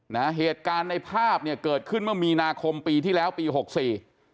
นะฮะเหตุการณ์ในภาพเนี่ยเกิดขึ้นเมื่อมีนาคมปีที่แล้วปีหกสี่